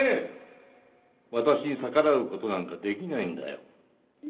私に逆らう事なんかできないんだよ。